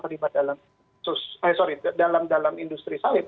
terlibat dalam industri sawit